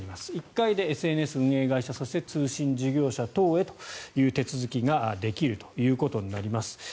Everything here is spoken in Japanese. １回でＳＮＳ運営会社そして通信事業者等へという手続きができるということになります。